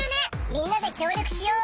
みんなできょう力しよう！